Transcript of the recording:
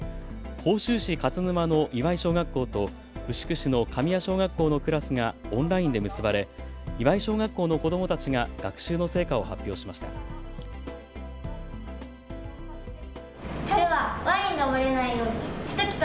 甲州市勝沼の祝小学校と牛久市の神谷小学校のクラスがオンラインで結ばれ祝小学校の子どもたちが学習の成果を発表しました。